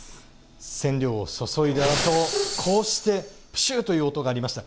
染料を注いだあとこうしてプシュッという音がありました。